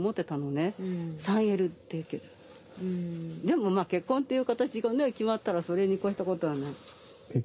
でもまあ結婚っていう形がね決まったらそれに越したことはない。